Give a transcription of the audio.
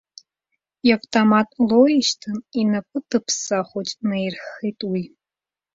Иавтомат лоуишьҭын, инапы ҭыԥсаа хәыҷы наирххеит уи.